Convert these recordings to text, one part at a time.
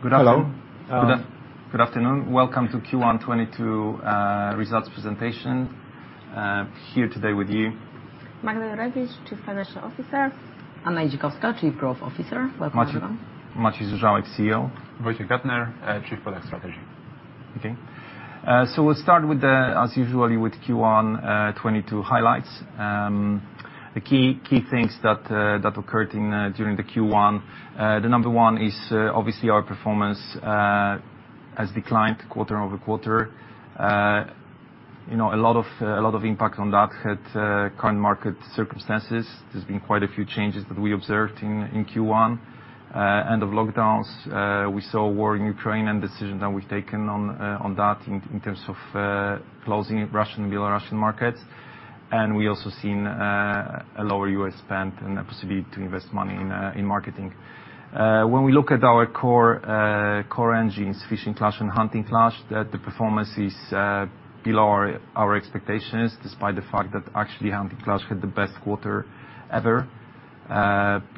Good afternoon. Hello. Good afternoon. Welcome to Q1 2022 results presentation. Here today with you- Magdalena Jurewicz, Chief Financial Officer. Anna Idzikowska, Chief Growth Officer. Welcome, everyone. Maciej Zużałek, CEO. Wojciech Gattner, Chief Product Strategy. Okay. So we'll start, as usual, with Q1 2022 highlights. The key things that occurred during Q1, the number one is obviously our performance has declined quarter-over-quarter. You know, a lot of impact on that had current market circumstances. There's been quite a few changes that we observed in Q1. End of lockdowns, we saw war in Ukraine, and decisions that we've taken on that in terms of closing Russian and Belarusian markets. We also seen a lower U.S. spend and ability to invest money in marketing. When we look at our core engines, Fishing Clash and Hunting Clash, the performance is below our expectations, despite the fact that actually Hunting Clash had the best quarter ever.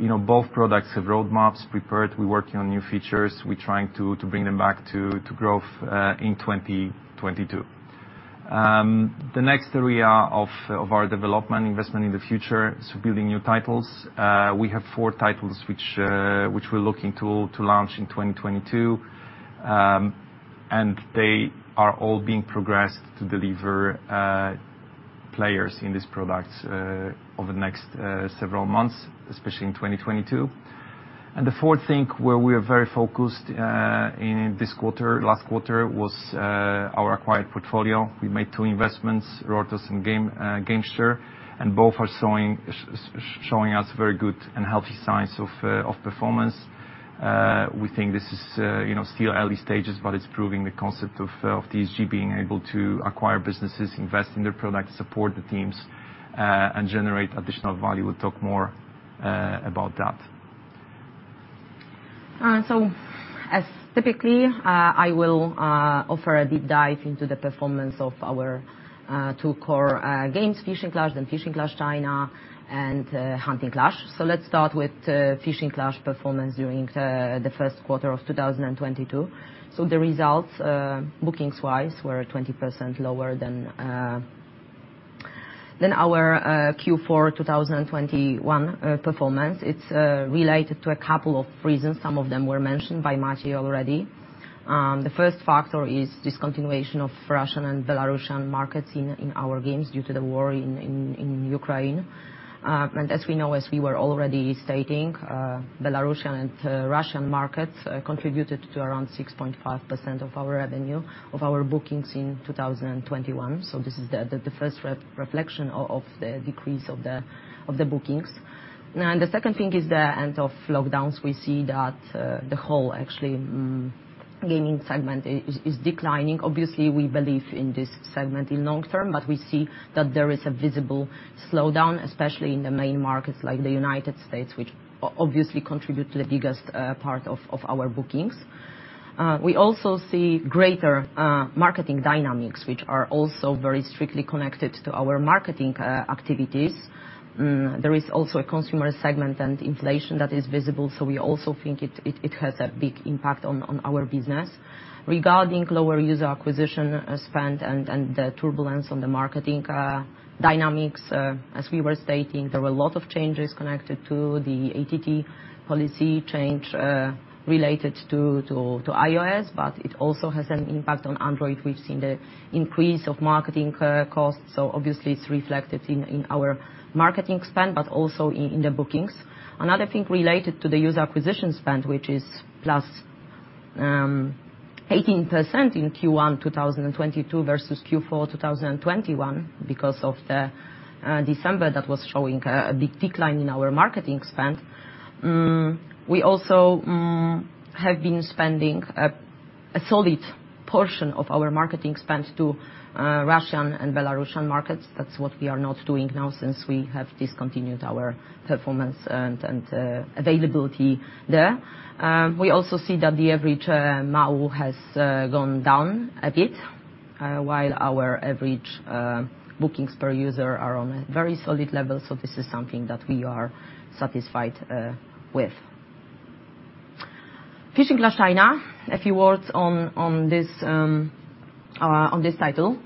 You know, both products have roadmaps prepared. We're working on new features. We're trying to bring them back to growth in 2022. The next area of our development investment in the future is building new titles. We have four titles which we're looking to launch in 2022. They are all being progressed to deliver players in these products over the next several months, especially in 2022. The fourth thing where we're very focused in this quarter, last quarter, was our acquired portfolio. We made two investments, Rortos and Gamesture. Both are showing us very good and healthy signs of performance. We think this is, you know, still early stages, but it's proving the concept of TSG being able to acquire businesses, invest in their products, support the teams, and generate additional value. We'll talk more about that. As typically, I will offer a deep dive into the performance of our two core games, Fishing Clash and Fishing Clash China, and Hunting Clash. Let's start with Fishing Clash performance during the first quarter of 2022. The results, bookings-wise, were 20% lower than our Q4 2021 performance. It's related to a couple of reasons. Some of them were mentioned by Maciej already. The first factor is discontinuation of Russian and Belarusian markets in our games due to the war in Ukraine. As we know, as we were already stating, Belarusian and Russian markets contributed to around 6.5% of our revenue, of our bookings in 2021. This is the first reflection of the decrease of the bookings. The second thing is the end of lockdowns. We see that the whole actually gaming segment is declining. Obviously, we believe in this segment in long term, but we see that there is a visible slowdown, especially in the main markets like the United States, which obviously contribute to the biggest part of our bookings. We also see greater marketing dynamics which are also very strictly connected to our marketing activities. There is also a consumer segment and inflation that is visible, so we also think it has a big impact on our business. Regarding lower user acquisition spend and the turbulence on the marketing dynamics, as we were stating, there were a lot of changes connected to the ATT policy change related to iOS, but it also has an impact on Android. We've seen the increase of marketing cost, so obviously it's reflected in our marketing spend but also in the bookings. Another thing related to the user acquisition spend, which is +18% in Q1 2022 versus Q4 2021 because of the December that was showing a big decline in our marketing spend. We also have been spending a solid portion of our marketing spend to Russian and Belarusian markets. That's what we are not doing now since we have discontinued our performance and availability there. We also see that the average MAU has gone down a bit while our average bookings per user are on a very solid level. This is something that we are satisfied with. Fishing Clash China, a few words on this title.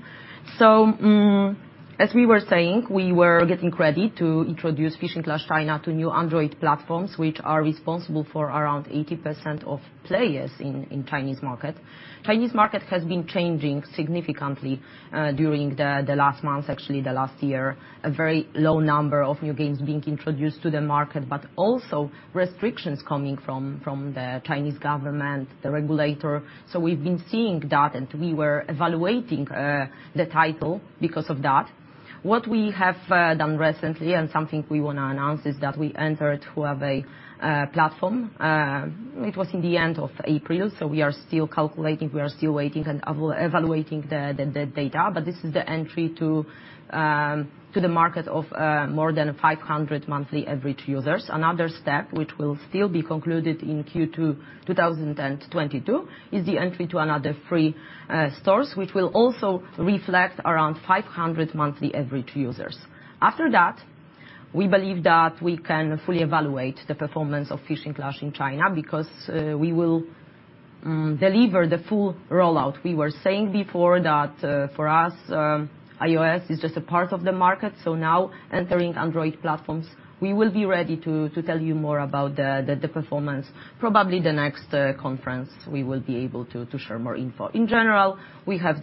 As we were saying, we were getting ready to introduce Fishing Clash China to new Android platforms, which are responsible for around 80% of players in Chinese market. Chinese market has been changing significantly during the last months, actually the last year. A very low number of new games being introduced to the market, but also restrictions coming from the Chinese government, the regulator. We've been seeing that, and we were evaluating the title because of that. What we have done recently, and something we wanna announce, is that we entered Huawei platform. It was in the end of April, so we are still calculating, we are still waiting and evaluating the data. This is the entry to the market of more than 500 monthly average users. Another step, which will still be concluded in Q2 2022, is the entry to another 3 stores, which will also reflect around 500 monthly average users. After that, we believe that we can fully evaluate the performance of Fishing Clash in China, because we will deliver the full rollout. We were saying before that, for us, iOS is just a part of the market. Now entering Android platforms, we will be ready to tell you more about the performance. Probably the next conference we will be able to share more info. In general, we have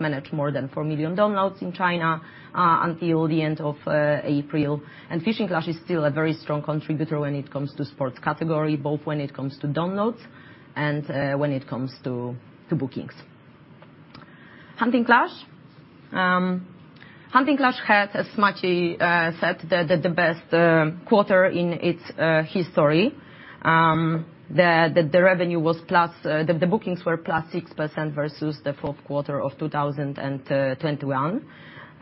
managed more than 4 million downloads in China until the end of April. Fishing Clash is still a very strong contributor when it comes to sports category, both when it comes to downloads and when it comes to bookings. Hunting Clash had, as Maciej said, the best quarter in its history. The bookings were +6% versus the fourth quarter of 2021.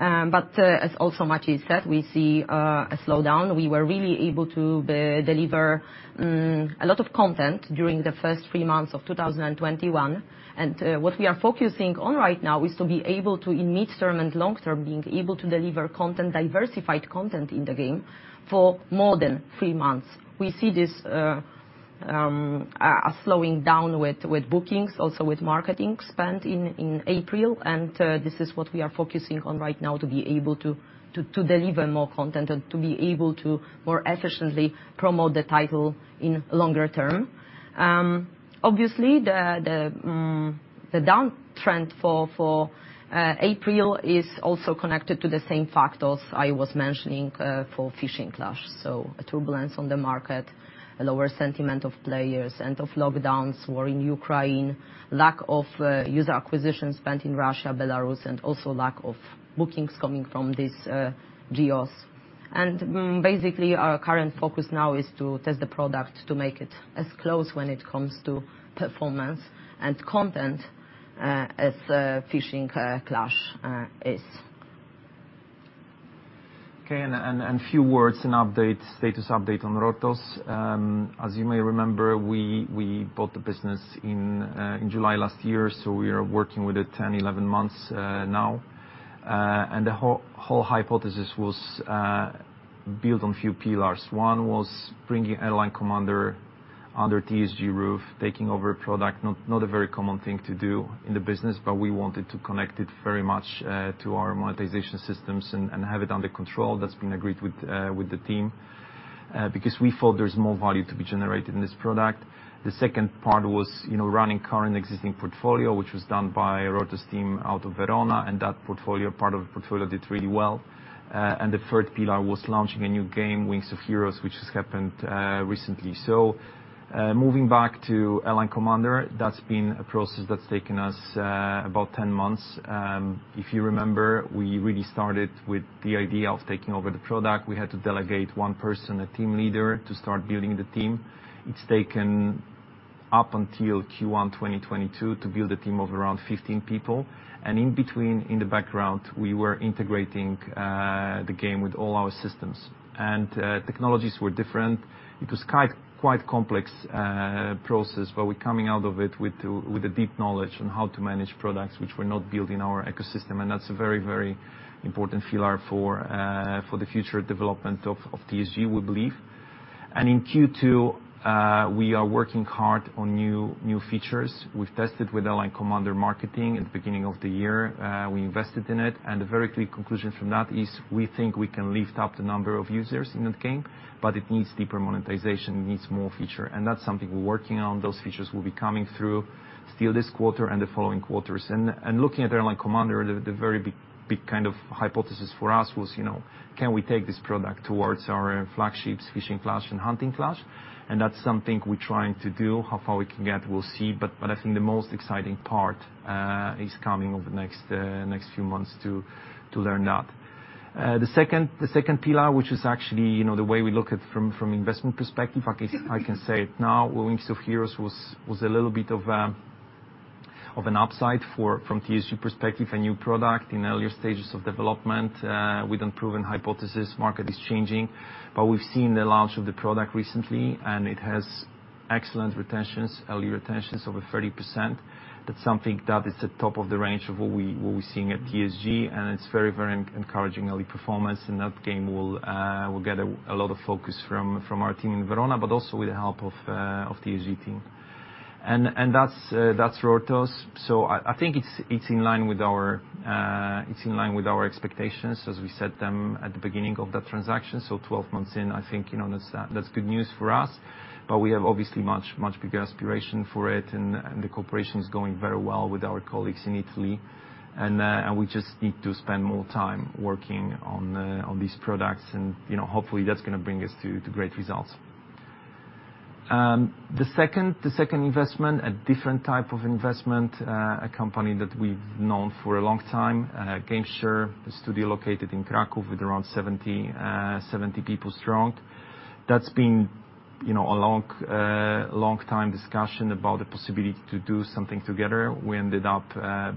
As also Maciej said, we see a slowdown. We were really able to deliver a lot of content during the first three months of 2021. What we are focusing on right now is to be able to, in midterm and long term, being able to deliver content, diversified content in the game for more than three months. We see this slowing down with bookings, also with marketing spend in April, and this is what we are focusing on right now to be able to deliver more content and to be able to more efficiently promote the title in longer term. Obviously, the downtrend for April is also connected to the same factors I was mentioning for Fishing Clash. A turbulence on the market, a lower sentiment of players, end of lockdowns, war in Ukraine, lack of user acquisition spend in Russia, Belarus, and also lack of bookings coming from these geos. Basically our current focus now is to test the product to make it as close when it comes to performance and content as Fishing Clash is. Okay, a few words and updates, status update on Rortos. As you may remember, we bought the business in July last year, so we are working with it 10, 11 months now. The whole hypothesis was built on a few pillars. One was bringing Airline Commander under TSG roof, taking over a product, not a very common thing to do in the business, but we wanted to connect it very much to our monetization systems and have it under control. That's been agreed with the team because we felt there's more value to be generated in this product. The second part was, you know, running current existing portfolio, which was done by Rortos team out of Verona, and that portfolio, part of the portfolio did really well. The third pillar was launching a new game, Wings of Heroes, which has happened recently. Moving back to Airline Commander, that's been a process that's taken us about 10 months. If you remember, we really started with the idea of taking over the product. We had to delegate one person, a team leader, to start building the team. It's taken up until Q1 2022 to build a team of around 15 people. In between, in the background, we were integrating the game with all our systems. Technologies were different. It was quite complex process, but we're coming out of it with a deep knowledge on how to manage products which were not built in our ecosystem. That's a very, very important pillar for the future development of TSG, we believe. In Q2, we are working hard on new features. We've tested with Airline Commander marketing at the beginning of the year. We invested in it, and a very clear conclusion from that is we think we can lift up the number of users in that game, but it needs deeper monetization. It needs more feature. That's something we're working on. Those features will be coming through still this quarter and the following quarters. Looking at Airline Commander, the very big kind of hypothesis for us was, you know, can we take this product towards our flagships, Fishing Clash and Hunting Clash? That's something we're trying to do. How far we can get, we'll see. I think the most exciting part is coming over the next few months to learn that. The second pillar, which is actually, you know, the way we look at it from investment perspective, I can say it now, Wings of Heroes was a little bit of an upside from TSG perspective, a new product in earlier stages of development, with unproven hypothesis. Market is changing. We've seen the launch of the product recently, and it has excellent retentions, early retentions over 30%. That's something that is at top of the range of what we're seeing at TSG, and it's very encouraging early performance. That game will get a lot of focus from our team in Verona, but also with the help of TSG team. That's Rortos. I think it's in line with our expectations as we set them at the beginning of that transaction. 12 months in, I think, you know, that's good news for us. We have obviously much bigger aspiration for it and the cooperation is going very well with our colleagues in Italy. We just need to spend more time working on these products and, you know, hopefully that's gonna bring us to great results. The second investment, a different type of investment, a company that we've known for a long time, Gamesture, a studio located in Kraków with around 70 people strong. That's been, you know, a long time discussion about the possibility to do something together. We ended up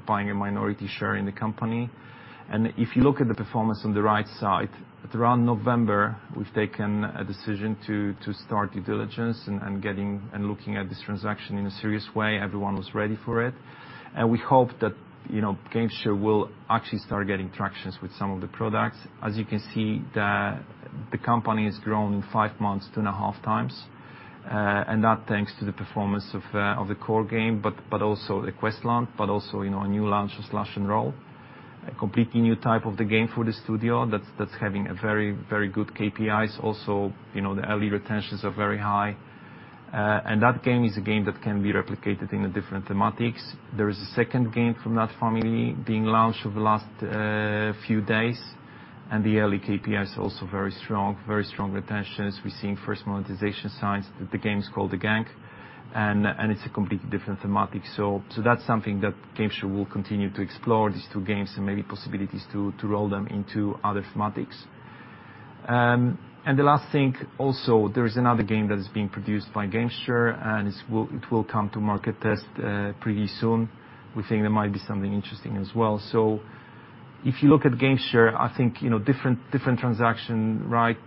buying a minority share in the company. If you look at the performance on the right side, around November, we've taken a decision to start due diligence and getting and looking at this transaction in a serious way. Everyone was ready for it. We hope that, you know, Gamesture will actually start getting traction with some of the products. As you can see, the company has grown in five months 2.5x, and that's thanks to the performance of the core game, but also Questland, but also, you know, a new launch of Slash & Roll. A completely new type of the game for the studio that's having very good KPIs also. You know, the early retentions are very high. That game is a game that can be replicated in a different thematics. There is a second game from that family being launched over the last few days, and the early KPIs also very strong. Very strong retentions. We're seeing first monetization signs. The game is called The Gang, and it's a completely different thematic. That's something that Gamesture will continue to explore, these two games, and maybe possibilities to roll them into other thematics. The last thing, there is another game that is being produced by Gamesture, and it will come to market test pretty soon. We think there might be something interesting as well. If you look at Gamesture, I think, you know, different transaction right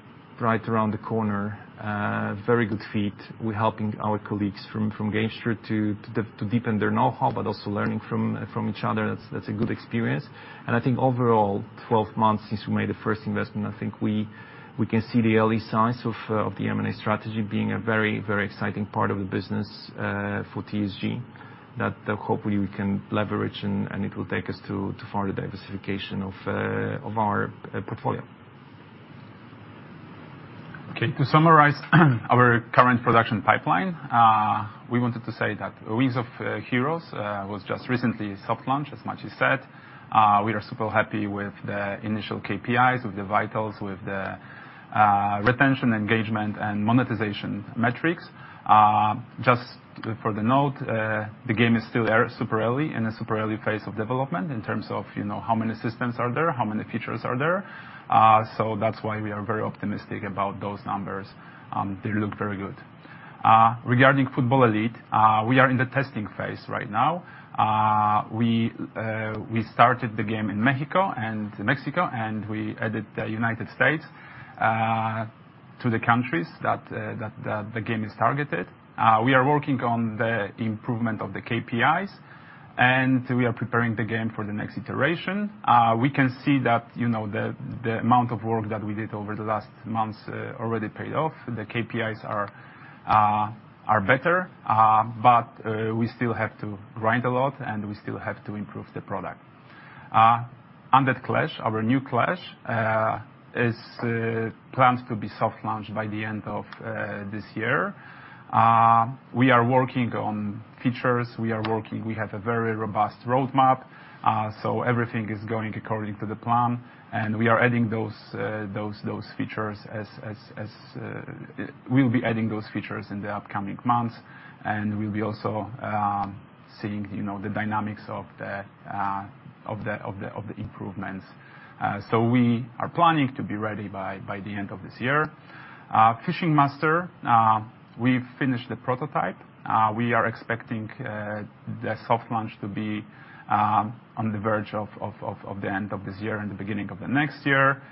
around the corner. Very good fit. We're helping our colleagues from Gamesture to deepen their know-how, but also learning from each other. That's a good experience. I think overall, 12 months since we made the first investment, we can see the early signs of the M&A strategy being a very exciting part of the business for TSG that hopefully we can leverage and it will take us to further diversification of our portfolio. Okay, to summarize our current production pipeline, we wanted to say that Wings of Heroes was just recently soft launched, as Maciej said. We are super happy with the initial KPIs, with the vitals, with the retention, engagement and monetization metrics. Just for the note, the game is still super early, in a super early phase of development in terms of, you know, how many systems are there, how many features are there. So that's why we are very optimistic about those numbers. They look very good. Regarding Football Elite, we are in the testing phase right now. We started the game in Mexico, and we added the United States to the countries that the game is targeted. We are working on the improvement of the KPIs, and we are preparing the game for the next iteration. We can see that, you know, the amount of work that we did over the last months already paid off. The KPIs are better, but we still have to grind a lot, and we still have to improve the product. Undead Clash, our new Clash, is planned to be soft launched by the end of this year. We are working on features. We have a very robust roadmap, so everything is going according to the plan, and we are adding those features as. We'll be adding those features in the upcoming months, and we'll be also seeing, you know, the dynamics of the improvements. We are planning to be ready by the end of this year. Fishing Master, we've finished the prototype. We are expecting the soft launch to be on the verge of the end of this year and the beginning of the next year.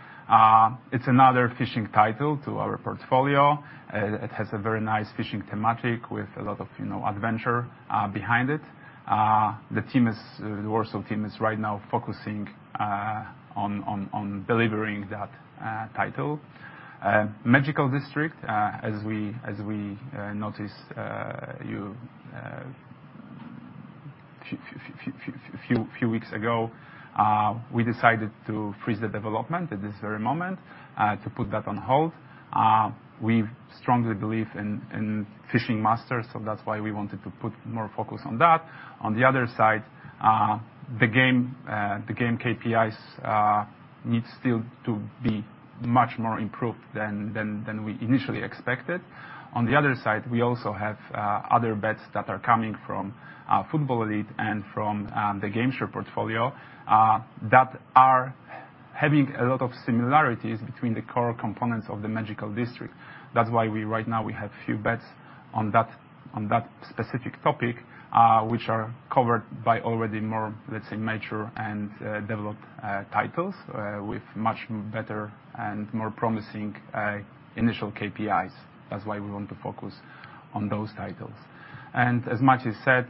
It's another fishing title to our portfolio. It has a very nice fishing thematic with a lot of, you know, adventure behind it. The Warsaw team is right now focusing on delivering that title. Magical District, as we noticed you a few weeks ago, we decided to freeze the development at this very moment to put that on hold. We strongly believe in Fishing Master, so that's why we wanted to put more focus on that. On the other side, the game KPIs need still to be much more improved than we initially expected. On the other side, we also have other bets that are coming from Football Elite and from the Gamesture portfolio that are having a lot of similarities between the core components of the Magical District. That's why we right now have few bets on that, on that specific topic, which are covered by already more, let's say, mature and developed titles with much better and more promising initial KPIs. That's why we want to focus on those titles. As Maciej said,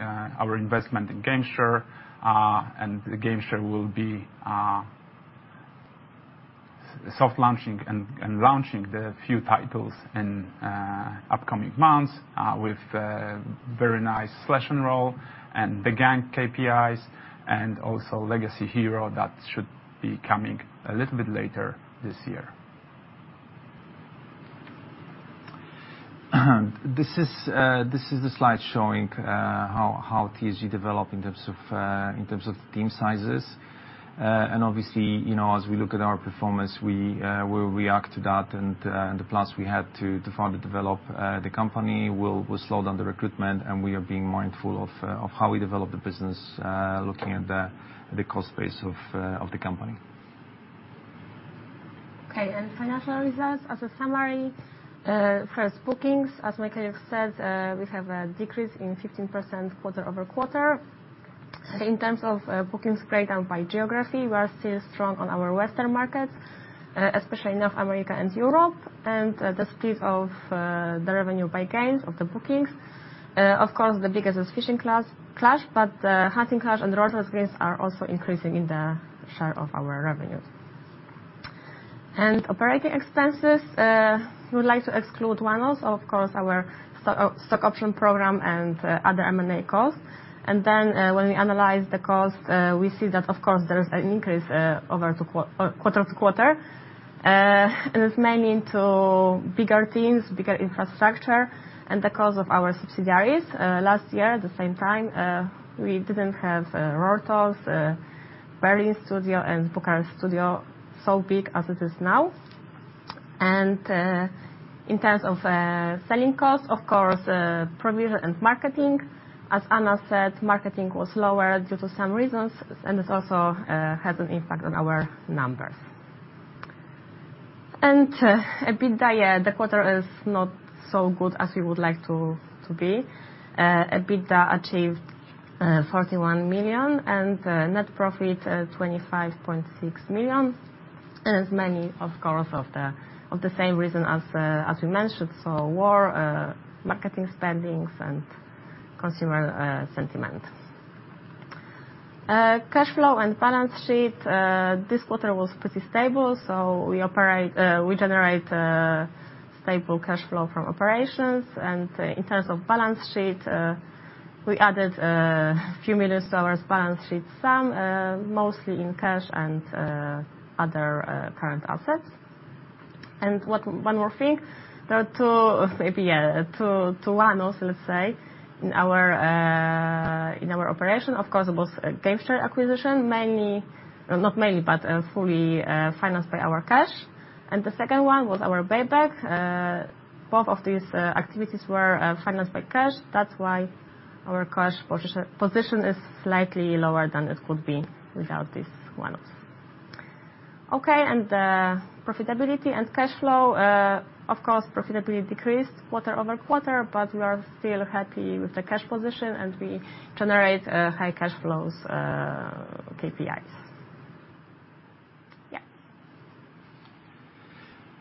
our investment in Gamesture and Gamesture will be soft launching and launching the few titles in upcoming months with very nice Slash & Roll and The Gang KPIs and also Hero Legacy that should be coming a little bit later this year. This is the slide showing how TSG developed in terms of team sizes. Obviously, you know, as we look at our performance, we react to that. The plans we had to further develop the company will slow down the recruitment, and we are being mindful of how we develop the business, looking at the cost base of the company. Okay, financial results as a summary. First, bookings. As Maciej said, we have a decrease in 15% quarter-over-quarter. In terms of bookings breakdown by geography, we are still strong on our Western markets, especially North America and Europe. The split of the revenue by games of the bookings, of course, the biggest is Fishing Clash, but Hunting Clash and Trophy Hunter are also increasing in the share of our revenues. Operating expenses, we would like to exclude one-offs, of course, our stock option program and other M&A costs. When we analyze the cost, we see that of course there is an increase over the quarter-over-quarter. It's mainly into bigger teams, bigger infrastructure and the cost of our subsidiaries. Last year, at the same time, we didn't have Rortos, Berlin studio and Bucharest studio so big as it is now. In terms of selling costs, of course, provision and marketing. As Anna said, marketing was lower due to some reasons, and this also has an impact on our numbers. EBITDA, the quarter is not so good as we would like to be. EBITDA achieved 41 million, and net profit 25.6 million. Of course, for the same reasons as we mentioned, such as war, marketing spending and consumer sentiment. Cash flow and balance sheet this quarter was pretty stable, so we generate stable cash flow from operations. In terms of balance sheet, we added few million dollars to the balance sheet, mostly in cash and other current assets. One more thing, maybe yeah, to also let's say in our operation, of course, it was a Gamesture acquisition, mainly. Not mainly, but fully financed by our cash. The second one was our buyback. Both of these activities were financed by cash. That's why our cash position is slightly lower than it could be without this one. Okay. Profitability and cash flow. Of course, profitability decreased quarter-over-quarter, but we are still happy with the cash position, and we generate high cash flows, KPIs. Yeah.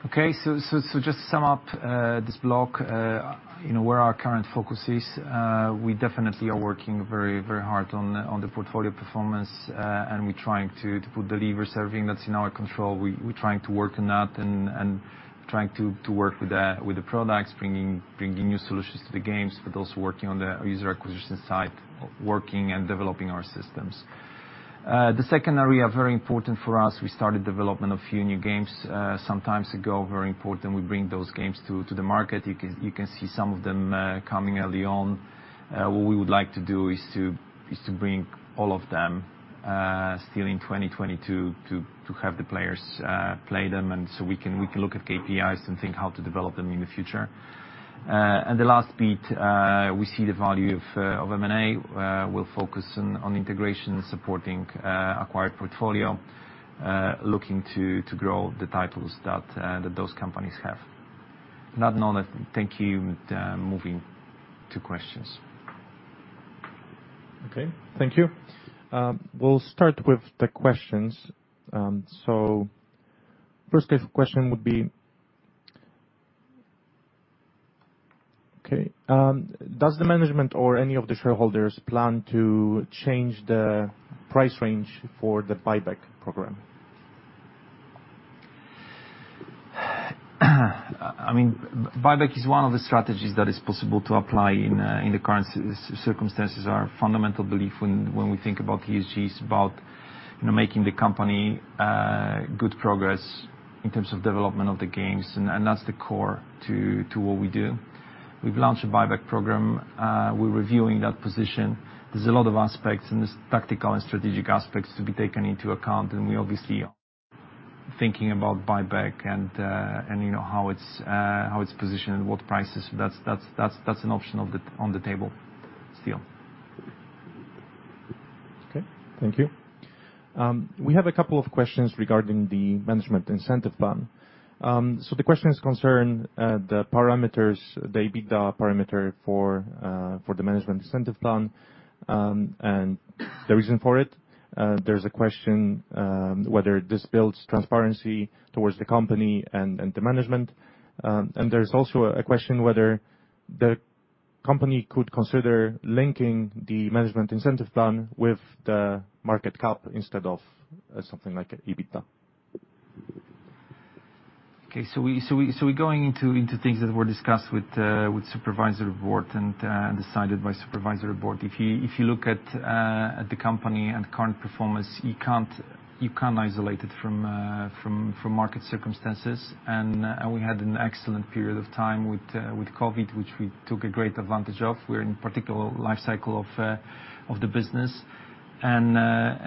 Okay. Just to sum up this block, you know, where our current focus is, we definitely are working very hard on the portfolio performance, and we're trying to pull the levers that are in our control. We're trying to work on that and trying to work with the products, bringing new solutions to the games, but also working on the user acquisition side, working and developing our systems. The second area, very important for us, we started development of a few new games some time ago. Very important we bring those games to the market. You can see some of them coming early on. What we would like to do is to bring all of them still in 2020 to have the players play them, so we can look at KPIs and think how to develop them in the future. The last bit, we see the value of M&A. We'll focus on integration, supporting acquired portfolio, looking to grow the titles that those companies have. On that note, thank you, with moving to questions. Okay. Thank you. We'll start with the questions. First question would be, does the management or any of the shareholders plan to change the price range for the buyback program? I mean, buyback is one of the strategies that is possible to apply in the current circumstances. Our fundamental belief when we think about TSG is about, you know, making the company good progress in terms of development of the games, and that's the core to what we do. We've launched a buyback program. We're reviewing that position. There's a lot of aspects, and there's tactical and strategic aspects to be taken into account, and we obviously are thinking about buyback and you know, how it's positioned and what prices. That's an option on the table still. Okay. Thank you. We have a couple of questions regarding the management incentive plan. The questions concern the parameters, the EBITDA parameter for the management incentive plan, and the reason for it. There's a question whether this builds transparency towards the company and the management. There's also a question whether the company could consider linking the management incentive plan with the market cap instead of something like EBITDA. Okay. We're going into things that were discussed with supervisory board and decided by supervisory board. If you look at the company and current performance, you can't isolate it from market circumstances. We had an excellent period of time with COVID, which we took a great advantage of. We're in particular life cycle of the business. A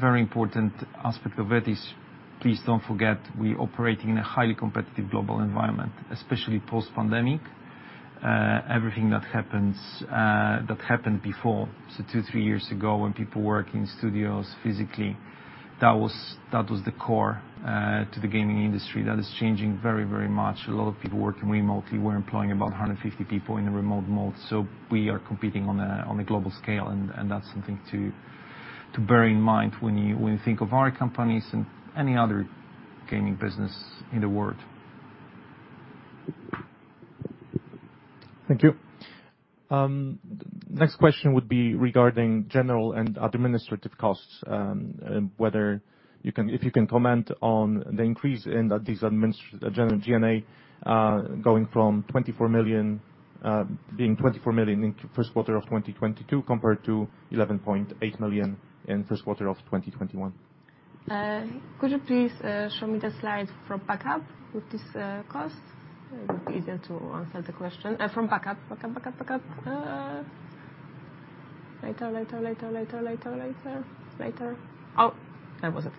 very important aspect of it is, please don't forget, we're operating in a highly competitive global environment, especially post-pandemic. Everything that happened before, so two, three years ago, when people work in studios physically, that was the core to the gaming industry. That is changing very, very much. A lot of people working remotely. We're employing about 150 people in a remote mode. We are competing on a global scale, and that's something to bear in mind when you think of our companies and any other gaming business in the world. Thank you. Next question would be regarding general and administrative costs, whether you can comment on the increase in these general G&A, going from 24 million in first quarter of 2022 compared to 11.8 million in first quarter of 2021. Could you please show me the slide from backup with this cost? It would be easier to answer the question. From backup. Later. Oh, that was it.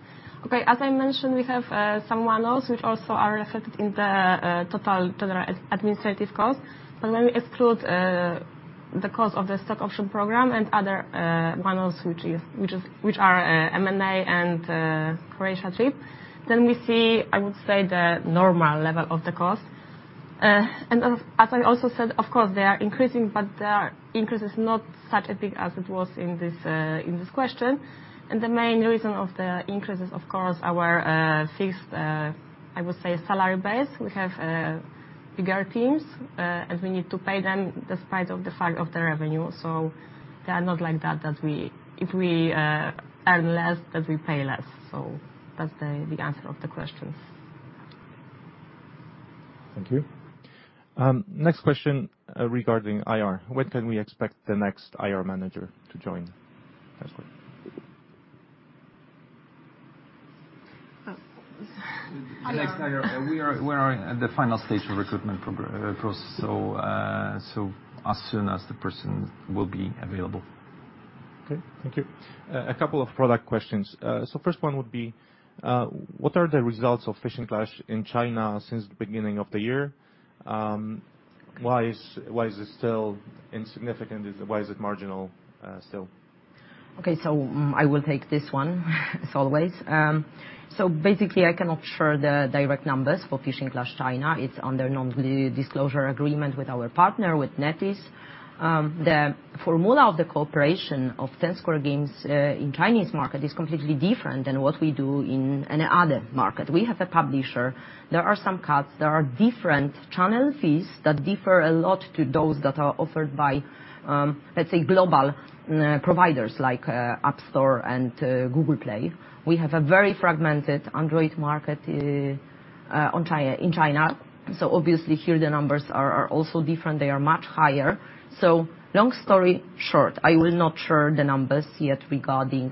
Okay, as I mentioned, we have some one-offs, which also are reflected in the total general and administrative costs. When we exclude the cost of the stock option program and other one-offs which are M&A and Croatia trip. We see, I would say, the normal level of the cost. As I also said, of course, they are increasing, but their increase is not such a big as it was in this question. The main reason of the increase is, of course, our fixed, I would say, salary base. We have bigger teams, and we need to pay them despite of the fact of the revenue. They are not like that we, if we earn less, that we pay less. That's the answer of the questions. Thank you. Next question regarding IR. When can we expect the next IR manager to join? That's it. Oh. IR. Alex, we are at the final stage of recruitment process, so as soon as the person will be available. Okay. Thank you. A couple of product questions. So first one would be, what are the results of Fishing Clash in China since the beginning of the year? Why is it still insignificant? Why is it marginal still? Okay. I will take this one as always. Basically, I cannot share the direct numbers for Fishing Clash China. It's under nondisclosure agreement with our partner, with NetEase. The formula of the cooperation of Ten Square Games in Chinese market is completely different than what we do in any other market. We have a publisher. There are some cuts. There are different channel fees that differ a lot to those that are offered by, let's say global providers like App Store and Google Play. We have a very fragmented Android market in China. Obviously here the numbers are also different. They are much higher. Long story short, I will not share the numbers yet regarding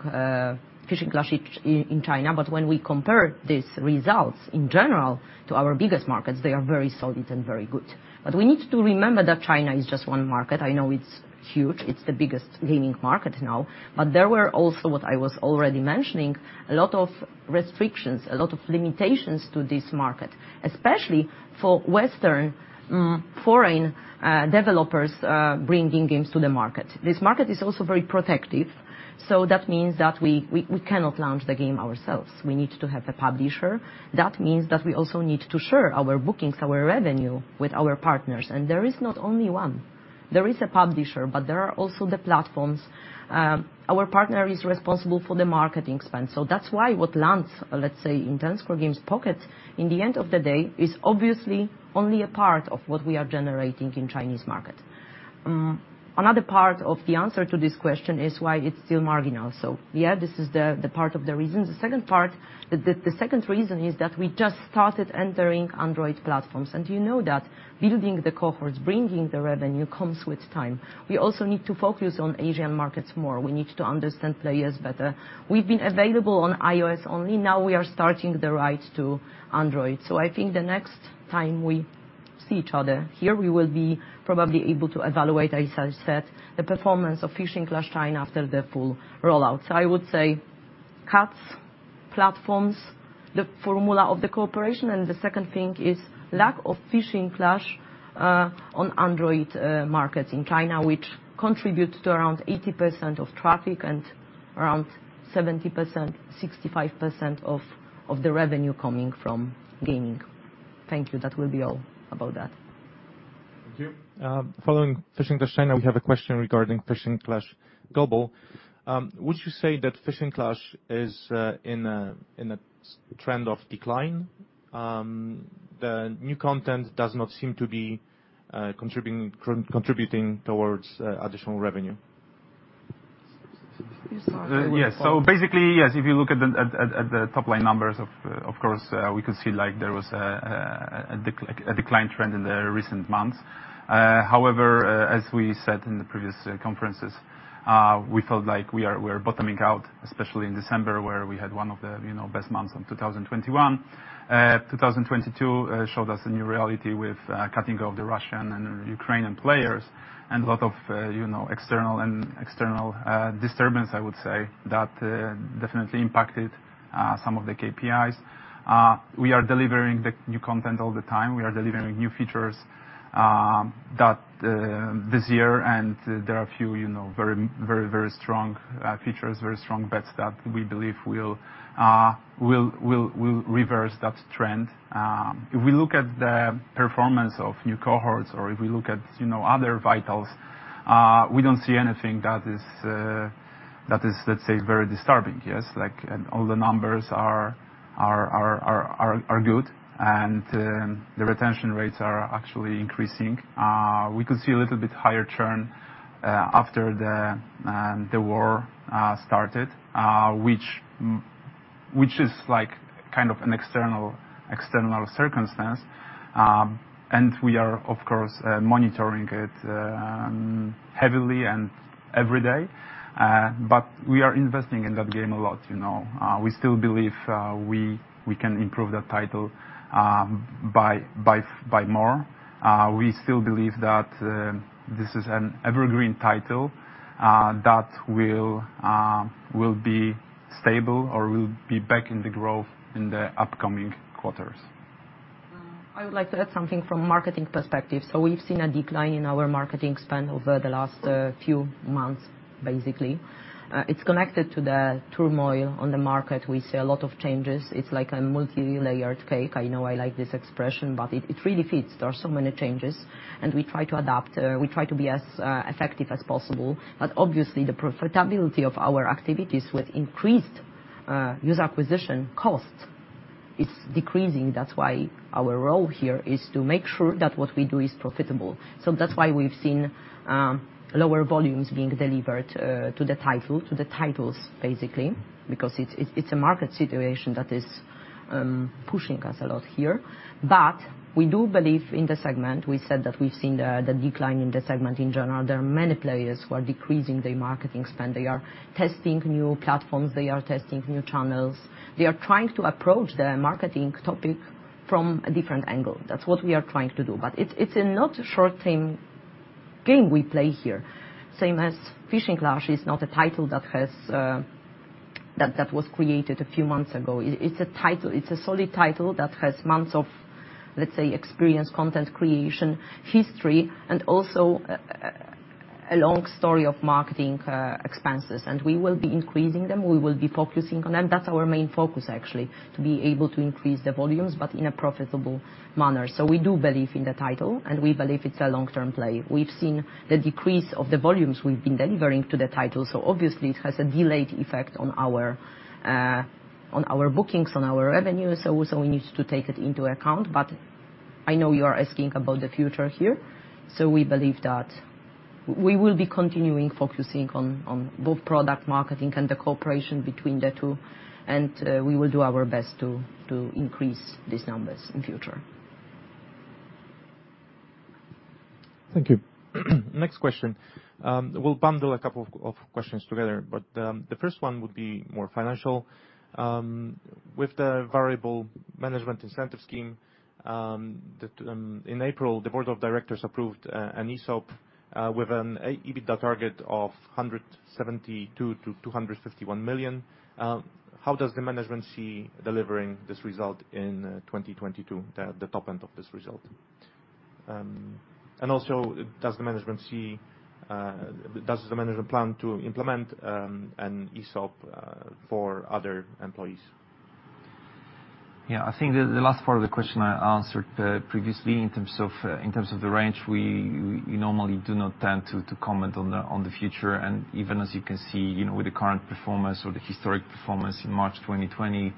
Fishing Clash in China. When we compare these results in general to our biggest markets, they are very solid and very good. We need to remember that China is just one market. I know it's huge. It's the biggest gaming market now. There were also, what I was already mentioning, a lot of restrictions, a lot of limitations to this market, especially for Western, foreign, developers, bringing games to the market. This market is also very protective, so that means that we cannot launch the game ourselves. We need to have a publisher. That means that we also need to share our bookings, our revenue with our partners. There is not only one. There is a publisher, but there are also the platforms. Our partner is responsible for the marketing spend. That's why what lands, let's say, in Ten Square Games' pockets at the end of the day is obviously only a part of what we are generating in the Chinese market. Another part of the answer to this question is why it's still marginal. Yeah, this is the part of the reason. The second part, the second reason is that we just started entering Android platforms, and you know that building the cohorts, bringing the revenue comes with time. We also need to focus on Asian markets more. We need to understand players better. We've been available on iOS only. Now we are starting the road to Android. I think the next time we see each other here, we will be probably able to evaluate, as Alex said, the performance of Fishing Clash China after the full rollout. I would say cuts, platforms, the formula of the cooperation, and the second thing is lack of Fishing Clash on Android markets in China, which contributes to around 80% of traffic and around 70%, 65% of the revenue coming from gaming. Thank you. That will be all about that. Thank you. Following Fishing Clash China, we have a question regarding Fishing Clash Global. Would you say that Fishing Clash is in a downtrend of decline? The new content does not seem to be contributing towards additional revenue. You start. Yes. Basically, yes, if you look at the top-line numbers, of course, we could see like there was a decline trend in the recent months. However, as we said in the previous conferences, we felt like we are bottoming out, especially in December, where we had one of the, you know, best months of 2021. 2022 showed us a new reality with cutting off the Russian and Ukrainian players and a lot of, you know, external disturbance, I would say, that definitely impacted some of the KPIs. We are delivering the new content all the time. We are delivering new features this year, and there are a few, you know, very strong features, very strong bets that we believe will reverse that trend. If we look at the performance of new cohorts or if we look at, you know, other vitals We don't see anything that is, let's say, very disturbing. Yes. Like, all the numbers are good, and the retention rates are actually increasing. We could see a little bit higher churn after the war started, which is like kind of an external circumstance. We are, of course, monitoring it heavily and every day. We are investing in that game a lot, you know. We still believe we can improve that title by more. We still believe that this is an evergreen title that will be stable or will be back in the growth in the upcoming quarters. I would like to add something from a marketing perspective. We've seen a decline in our marketing spend over the last few months. It's connected to the turmoil on the market. We see a lot of changes. It's like a multilayered cake. I know I like this expression, but it really fits. There are so many changes, and we try to adapt. We try to be as effective as possible. But obviously the profitability of our activities with increased user acquisition costs is decreasing. That's why our role here is to make sure that what we do is profitable. That's why we've seen lower volumes being delivered to the title, to the titles, because it's a market situation that is pushing us a lot here. But we do believe in the segment. We said that we've seen the decline in the segment in general. There are many players who are decreasing their marketing spend. They are testing new platforms. They are testing new channels. They are trying to approach the marketing topic from a different angle. That's what we are trying to do. It's not a short-term game we play here. Same as Fishing Clash is not a title that has that was created a few months ago. It's a title, it's a solid title that has months of, let's say, experience, content creation history, and also a long story of marketing expenses. We will be increasing them. We will be focusing on them. That's our main focus actually, to be able to increase the volumes but in a profitable manner. We do believe in the title, and we believe it's a long-term play. We've seen the decrease of the volumes we've been delivering to the title, so obviously it has a delayed effect on our bookings, on our revenues. We need to take it into account. I know you are asking about the future here. We believe that we will be continuing focusing on both product marketing and the cooperation between the two, and we will do our best to increase these numbers in future. Thank you. Next question. We'll bundle a couple of questions together. The first one would be more financial. With the variable management incentive scheme, in April, the board of directors approved an ESOP with an EBITDA target of 172 million-251 million. How does the management see delivering this result in 2022, the top end of this result? Does the management plan to implement an ESOP for other employees? Yeah. I think the last part of the question I answered previously. In terms of the range, we normally do not tend to comment on the future. Even as you can see, you know, with the current performance or the historic performance in March 2020,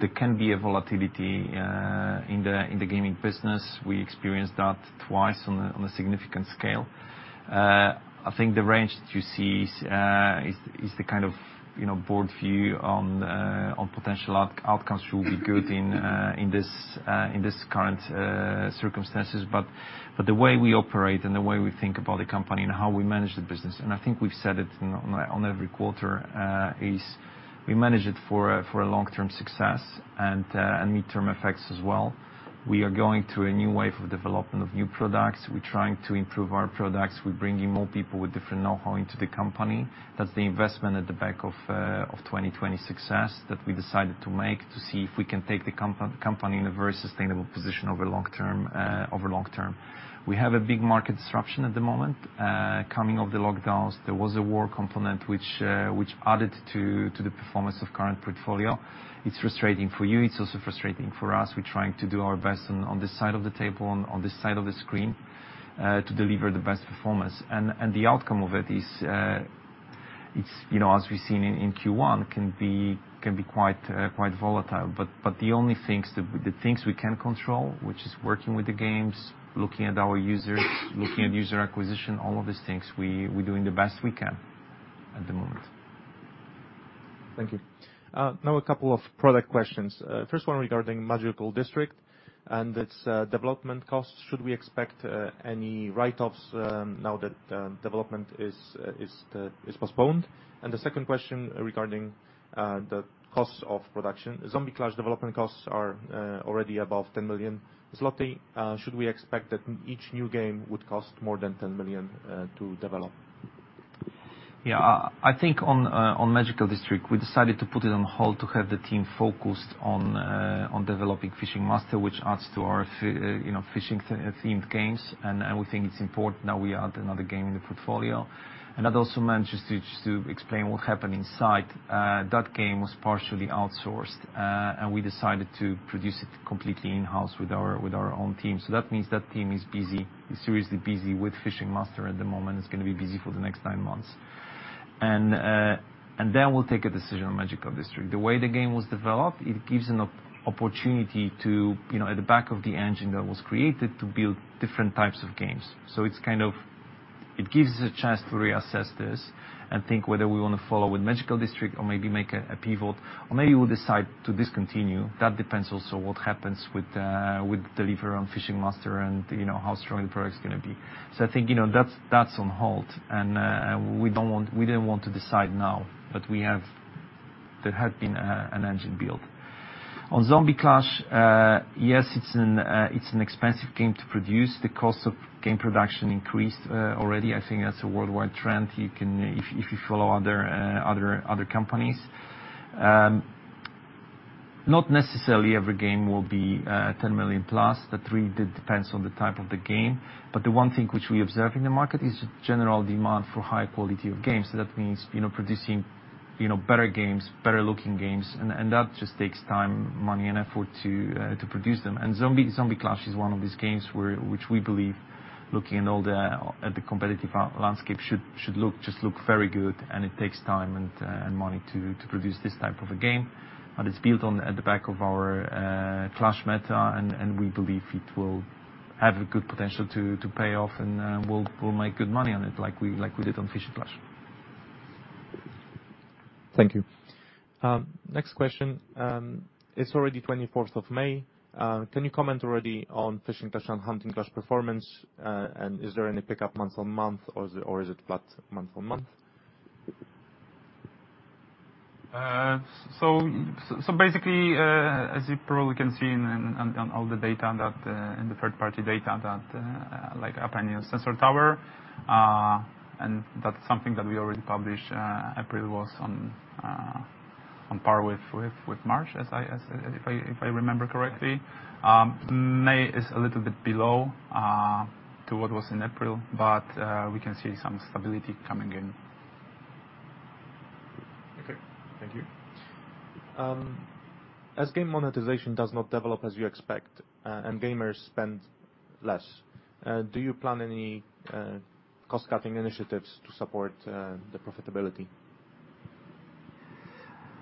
there can be a volatility in the gaming business. We experienced that twice on a significant scale. I think the range that you see is the kind of, you know, broad view on potential outcomes. Should be good in this current circumstances. The way we operate and the way we think about the company and how we manage the business, and I think we've said it on every quarter, is we manage it for a long-term success and midterm effects as well. We are going through a new wave of development of new products. We're trying to improve our products. We're bringing more people with different know-how into the company. That's the investment at the back of 2020 success that we decided to make to see if we can take the company in a very sustainable position over long term. We have a big market disruption at the moment coming out of the lockdowns. There was a war component which added to the performance of current portfolio. It's frustrating for you. It's also frustrating for us. We're trying to do our best on this side of the table and on this side of the screen to deliver the best performance. The outcome of it is, it's, you know, as we've seen in Q1, can be quite volatile. The only things we can control, which is working with the games, looking at our users, looking at user acquisition, all of these things, we're doing the best we can at the moment. Thank you. Now a couple of product questions. First one regarding Magical District and its development costs. Should we expect any write-offs now that development is postponed? The second question regarding the cost of production. Undead Clash development costs are already above 10 million zloty. Should we expect that each new game would cost more than 10 million to develop? I think on Magical District, we decided to put it on hold to have the team focused on developing Fishing Master, which adds to our, you know, fishing-themed games. We think it's important that we add another game in the portfolio. That also manages to, just to explain what happened inside, that game was partially outsourced, and we decided to produce it completely in-house with our own team. That means that team is seriously busy with Fishing Master at the moment. It's gonna be busy for the next nine months. Then we'll take a decision on Magical District. The way the game was developed, it gives an opportunity to, you know, on the back of the engine that was created, to build different types of games. It gives us a chance to reassess this and think whether we wanna follow with Magical District or maybe make a pivot, or maybe we'll decide to discontinue. That depends also what happens with delivery on Fishing Master and, you know, how strong the product's gonna be. I think, you know, that's on hold and we didn't want to decide now. We have an engine built. On Undead Clash, yes, it's an expensive game to produce. The cost of game production increased already. I think that's a worldwide trend. You can if you follow other companies. Not necessarily every game will be 10 million plus. That really depends on the type of the game. The one thing which we observe in the market is general demand for high quality of games. That means, you know, producing, you know, better games, better-looking games, and that just takes time, money, and effort to produce them. Undead Clash is one of these games which we believe, looking at all the, at the competitive landscape, should look very good, and it takes time and money to produce this type of a game. It's built on the at the back of our Clash meta, and we believe it will have a good potential to pay off, and we'll make good money on it like we did on Fishing Clash. Thank you. Next question. It's already 24th of May. Can you comment already on Fishing Clash and Hunting Clash performance? Is there any pickup month-on-month or is it flat month-on-month? Basically, as you probably can see on all the third-party data like App Annie and Sensor Tower, and that's something that we already published. April was on par with March, if I remember correctly. May is a little bit below to what was in April, but we can see some stability coming in. Okay, thank you. As game monetization does not develop as you expect, and gamers spend less, do you plan any cost-cutting initiatives to support the profitability?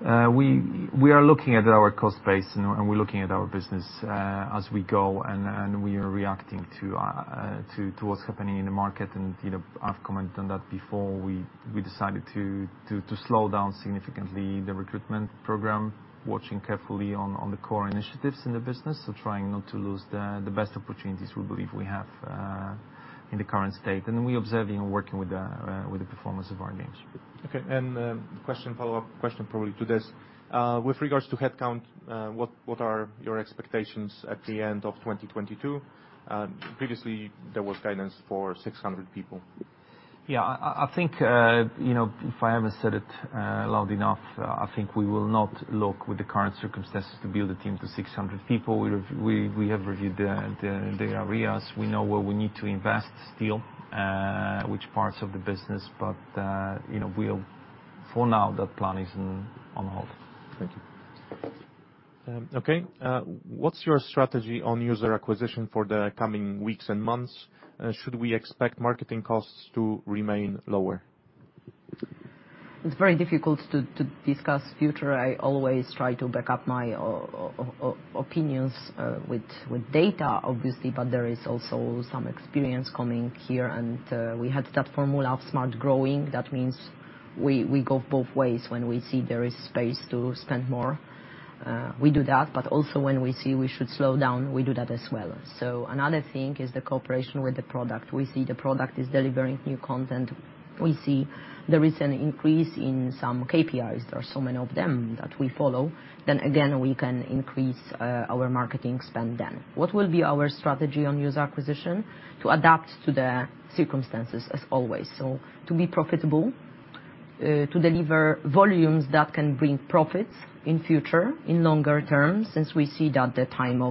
We are looking at our cost base and we're looking at our business as we go, and we are reacting to what's happening in the market. You know, I've commented on that before. We decided to slow down significantly the recruitment program, watching carefully on the core initiatives in the business. Trying not to lose the best opportunities we believe we have in the current state. Then we're observing and working with the performance of our games. Okay, question, follow-up question probably to this. With regards to headcount, what are your expectations at the end of 2022? Previously there was guidance for 600 people. Yeah. I think, you know, if I haven't said it loud enough, I think we will not look, with the current circumstances, to build a team to 600 people. We have reviewed the areas. We know where we need to invest still, which parts of the business. You know, for now, that plan is on hold. Thank you. Okay. What's your strategy on user acquisition for the coming weeks and months? Should we expect marketing costs to remain lower? It's very difficult to discuss future. I always try to back up my opinions with data, obviously. There is also some experience coming here, and we had that formula of smart growing. That means we go both ways. When we see there is space to spend more, we do that. But also when we see we should slow down, we do that as well. Another thing is the cooperation with the product. We see the product is delivering new content. We see there is an increase in some KPIs. There are so many of them that we follow. Again, we can increase our marketing spend then. What will be our strategy on user acquisition? To adapt to the circumstances, as always. To be profitable, to deliver volumes that can bring profits in future, in longer term, since we see that the time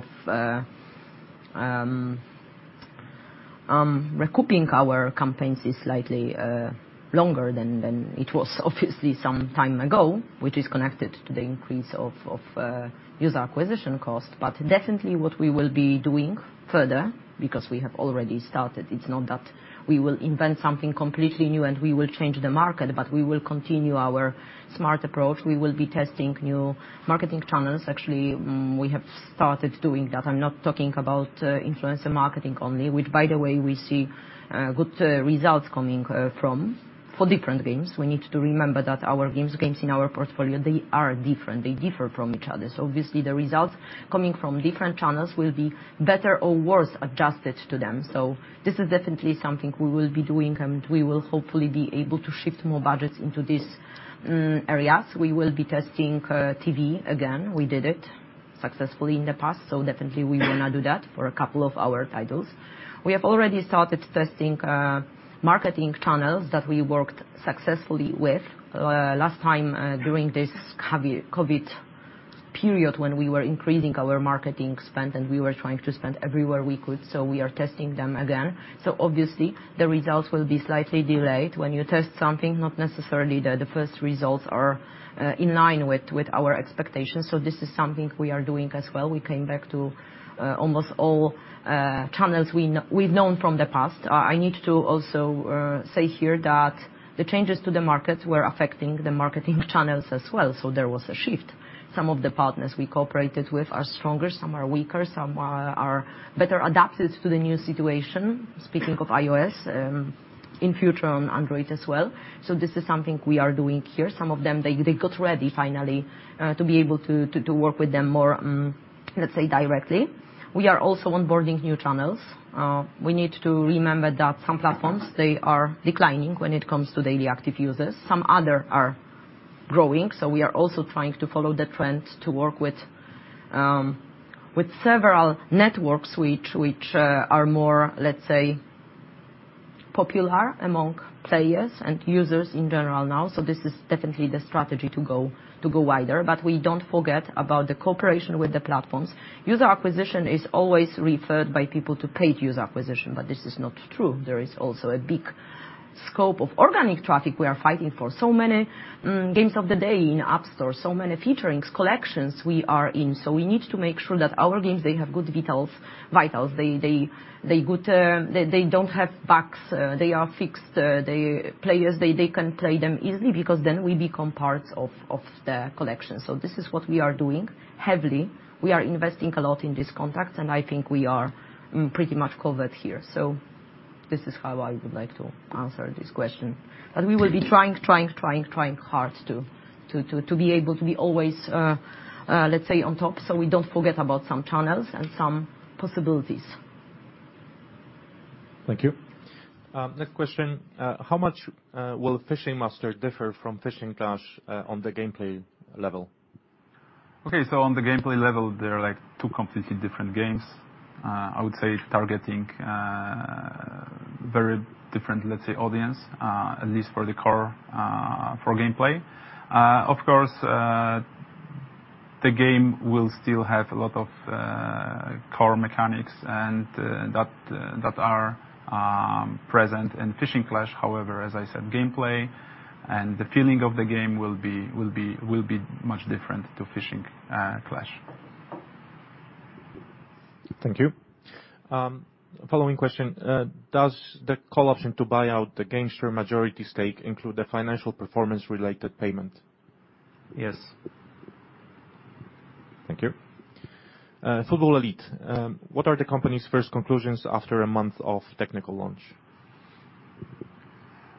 of recouping our campaigns is slightly longer than it was obviously some time ago, which is connected to the increase of user acquisition cost. Definitely what we will be doing further, because we have already started, it's not that we will invent something completely new and we will change the market, but we will continue our smart approach. We will be testing new marketing channels. Actually, we have started doing that. I'm not talking about influencer marketing only, which by the way, we see good results coming from for different games. We need to remember that our games in our portfolio, they are different. They differ from each other. Obviously the results coming from different channels will be better or worse adjusted to them. This is definitely something we will be doing, and we will hopefully be able to shift more budgets into these areas. We will be testing TV again. We did it successfully in the past, so definitely we wanna do that for a couple of our titles. We have already started testing marketing channels that we worked successfully with last time during this COVID period when we were increasing our marketing spend and we were trying to spend everywhere we could, so we are testing them again. Obviously, the results will be slightly delayed. When you test something, not necessarily the first results are in line with our expectations. This is something we are doing as well. We came back to almost all channels we've known from the past. I need to also say here that the changes to the markets were affecting the marketing channels as well. There was a shift. Some of the partners we cooperated with are stronger, some are weaker, some are better adapted to the new situation. Speaking of iOS, in future on Android as well. This is something we are doing here. Some of them got ready finally to be able to work with them more, let's say, directly. We are also onboarding new channels. We need to remember that some platforms, they are declining when it comes to daily active users, some other are growing. We are also trying to follow the trends to work with several networks which are more, let's say, popular among players and users in general now. This is definitely the strategy to go wider. We don't forget about the cooperation with the platforms. User acquisition is always referred by people to paid user acquisition, but this is not true. There is also a big scope of organic traffic we are fighting for. Many games of the day in App Store, so many featurings, collections we are in. We need to make sure that our games they have good vitals. They good. They don't have bugs. They are fixed. The players they can play them easily because then we become parts of the collection. This is what we are doing heavily. We are investing a lot in this content, and I think we are pretty much covered here. This is how I would like to answer this question. We will be trying hard to be able to be always, let's say, on top, so we don't forget about some channels and some possibilities. Thank you. Next question. How much will Fishing Master differ from Fishing Clash on the gameplay level? Okay. On the gameplay level, they're like two completely different games. I would say targeting very different, let's say, audience, at least for the core, for gameplay. Of course, the game will still have a lot of core mechanics and that are present in Fishing Clash. However, as I said, gameplay and the feeling of the game will be much different to Fishing Clash. Thank you. Following question. Does the call option to buy out the Gamesture majority stake include the financial performance related payment? Yes. Thank you. Football Elite, what are the company's first conclusions after a month of technical launch?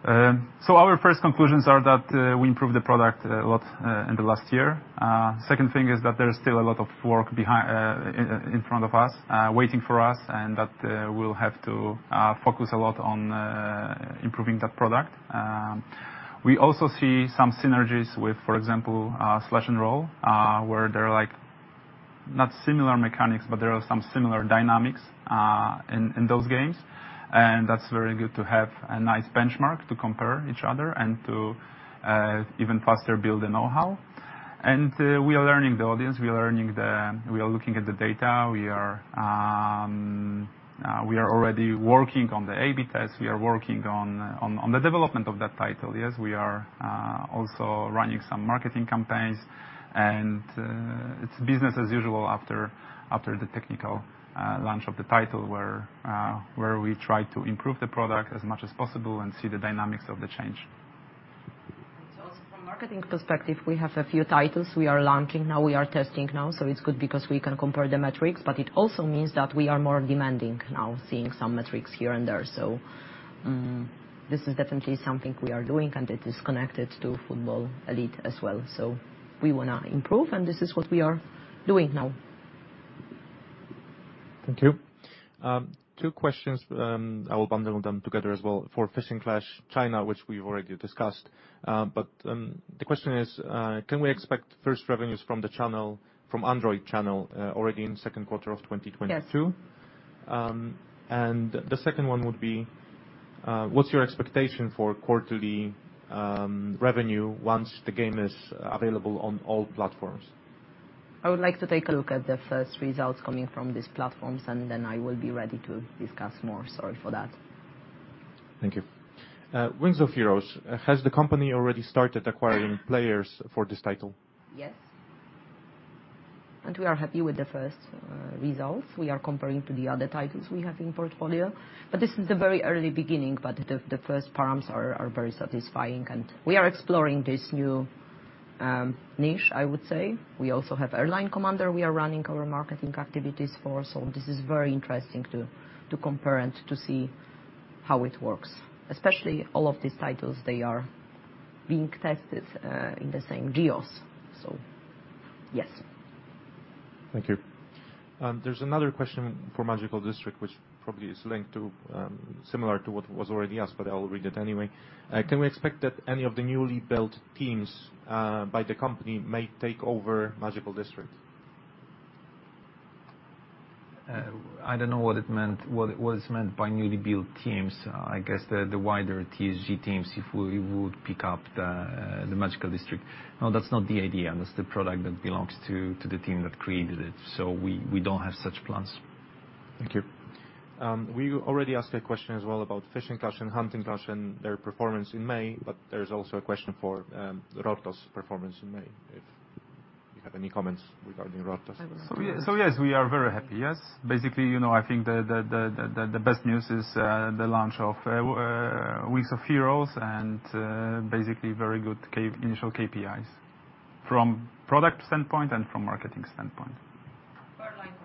Our first conclusions are that we improved the product a lot in the last year. Second thing is that there is still a lot of work in front of us waiting for us, and that we'll have to focus a lot on improving that product. We also see some synergies with, for example, Slash & Roll, where there are like, not similar mechanics, but there are some similar dynamics in those games. That's very good to have a nice benchmark to compare each other and to even faster build the know-how. We are learning the audience. We are looking at the data. We are already working on the A/B test. We are working on the development of that title. Yes, we are also running some marketing campaigns. It's business as usual after the technical launch of the title where we try to improve the product as much as possible and see the dynamics of the change. From marketing perspective, we have a few titles we are launching now, we are testing now, so it's good because we can compare the metrics. But it also means that we are more demanding now, seeing some metrics here and there. This is definitely something we are doing, and it is connected to Football Elite as well. We wanna improve, and this is what we are doing now. Thank you. Two questions. I will bundle them together as well. For Fishing Clash China, which we've already discussed. The question is, can we expect first revenues from the channel, from Android channel, already in the second quarter of 2022? Yes. The second one would be, what's your expectation for quarterly revenue once the game is available on all platforms? I would like to take a look at the first results coming from these platforms, and then I will be ready to discuss more. Sorry for that. Thank you. Wings of Heroes, has the company already started acquiring players for this title? Yes. We are happy with the first results. We are comparing to the other titles we have in portfolio. This is the very early beginning, but the first params are very satisfying. We are exploring this new niche, I would say. We also have Airline Commander we are running our marketing activities for. This is very interesting to compare and to see how it works. Especially all of these titles, they are being tested in the same geos. Yes. Thank you. There's another question for Magical District, which probably is linked to, similar to what was already asked, but I'll read it anyway. Can we expect that any of the newly built teams by the company may take over Magical District? I don't know what is meant by newly built teams. I guess the wider TSG teams, if we would pick up the Magical District. No, that's not the idea. That's the product that belongs to the team that created it. We don't have such plans. Thank you. We already asked a question as well about Fishing Clash and Hunting Clash and their performance in May, but there's also a question for Rortos performance in May. If you have any comments regarding Rortos performance? Yes, we are very happy. Yes. Basically, you know, I think the best news is the launch of Wings of Heroes and basically very good key initial KPIs from product standpoint and from marketing standpoint.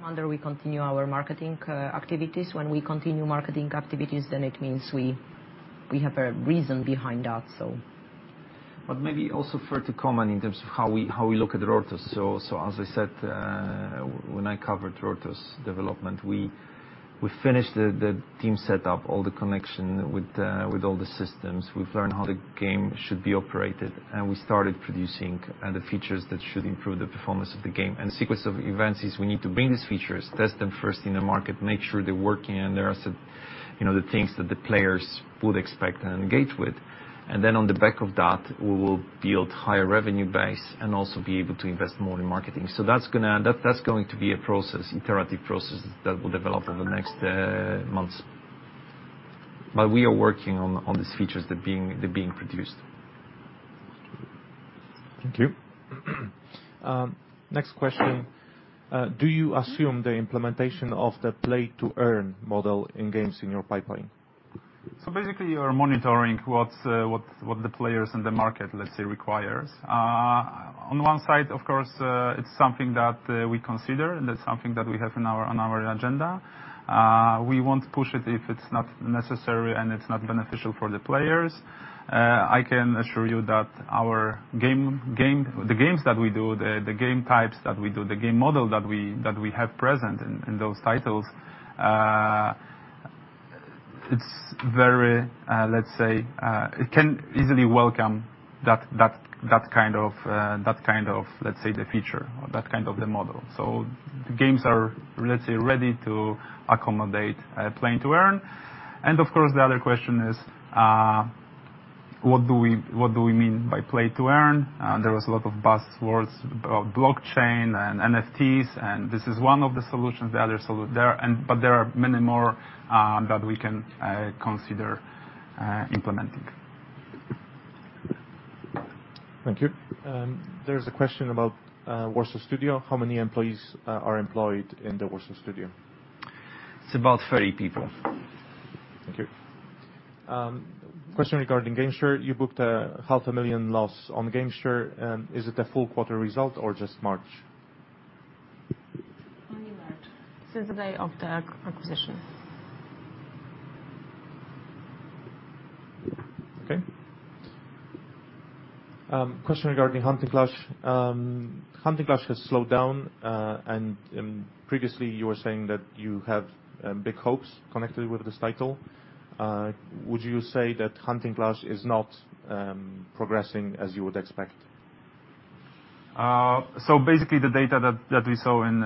For Airline Commander, we continue our marketing activities. When we continue marketing activities, then it means we have a reason behind that. Maybe also for it to comment in terms of how we look at Rortos. As I said, when I covered Rortos development, we finished the team setup, all the connection with all the systems. We've learned how the game should be operated, and we started producing the features that should improve the performance of the game. The sequence of events is we need to bring these features, test them first in the market, make sure they're working, and there are, you know, the things that the players would expect and engage with. Then on the back of that, we will build higher revenue base and also be able to invest more in marketing. That's going to be a process, iterative process that will develop over the next months. We are working on these features. They're being produced. Thank you. Next question. Do you assume the implementation of the play-to-earn model in games in your pipeline? Basically, you are monitoring what the players in the market, let's say, requires. On one side, of course, it's something that we consider, and that's something that we have on our agenda. We won't push it if it's not necessary and it's not beneficial for the players. I can assure you that our game the games that we do, the game types that we do, the game model that we have present in those titles, it's very, let's say, it can easily welcome that kind of that kind of, let's say, the feature or that kind of the model. The games are, let's say, ready to accommodate play-to-earn. Of course, the other question is, what do we mean by play to earn? There was a lot of buzzwords about blockchain and NFTs, and this is one of the solutions. But there are many more that we can consider implementing. Thank you. There's a question about Warsaw Studio. How many employees are employed in the Warsaw Studio? It's about 30 people. Thank you. Question regarding Gamesture. You booked a half a million PLN loss on Gamesture. Is it a full quarter result or just March? Only March. Since the day of the acquisition. Okay. Question regarding Hunting Clash. Hunting Clash has slowed down. Previously you were saying that you have big hopes connected with this title. Would you say that Hunting Clash is not progressing as you would expect? Basically the data that we saw in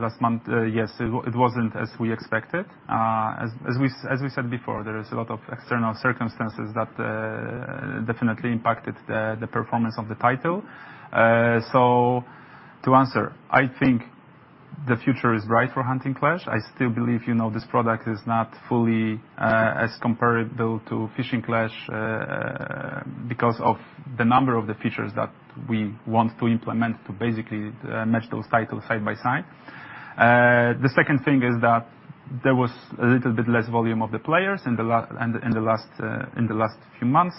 last month, yes, it wasn't as we expected. As we said before, there is a lot of external circumstances that definitely impacted the performance of the title. To answer, I think the future is bright for Hunting Clash. I still believe, you know, this product is not fully as comparable to Fishing Clash, because of the number of features that we want to implement to basically match those titles side by side. The second thing is that there was a little bit less volume of the players in the last few months,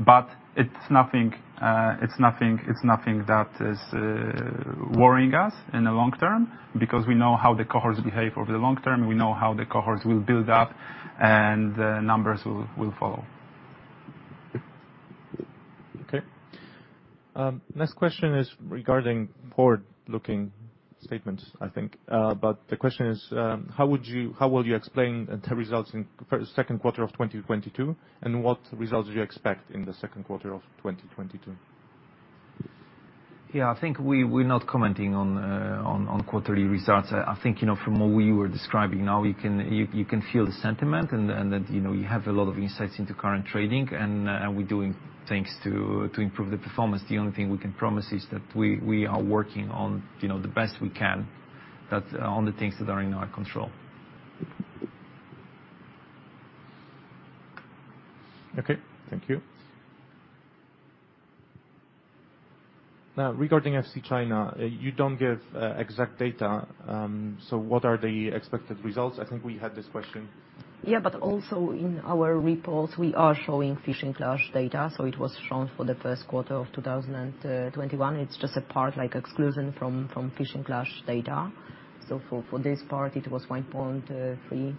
but it's nothing that is worrying us in the long term because we know how the cohorts behave over the long term, we know how the cohorts will build up and the numbers will follow. Okay. Next question is regarding forward-looking statements, I think. The question is, how will you explain the results in second quarter of 2022, and what results do you expect in the second quarter of 2022? Yeah, I think we're not commenting on quarterly results. I think, you know, from what we were describing now, you can feel the sentiment and that, you know, you have a lot of insights into current trading and we're doing things to improve the performance. The only thing we can promise is that we are working on, you know, the best we can on the things that are in our control. Okay. Thank you. Now regarding FC China, you don't give exact data, so what are the expected results? I think we had this question. Also in our reports, we are showing Fishing Clash data. It was shown for the first quarter of 2021. It's just a part like exclusion from Fishing Clash data. For this part, it was 1.3